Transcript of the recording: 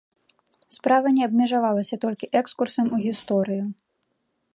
Справа не абмежавалася толькі экскурсам у гісторыю.